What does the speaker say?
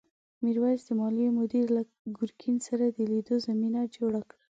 میرويس د مالیې مدیر له ګرګین سره د لیدو زمینه جوړه کړه.